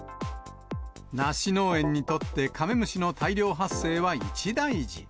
ナシ農園にとってカメムシの大量発生は一大事。